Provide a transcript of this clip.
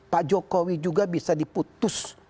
pak jokowi juga bisa diputus